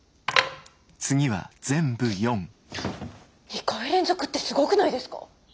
２回連続ってすごくないですか？